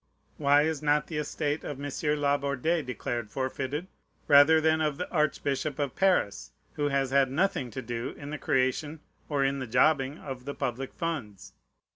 Why is not the estate of M. Laborde declared forfeited rather than of the Archbishop of Paris, who has had nothing to do in the creation or in the jobbing of the public funds?